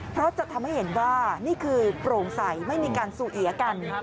เพราะจะทำให้เห็นว่านี่คือโปร่งใสไม่มีการซูเอียกัน